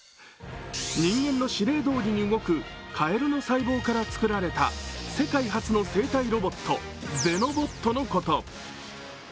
人間の指令どおりに動くカエルの細胞から作られた世界初の生体ロボット、ゼノボットのこと。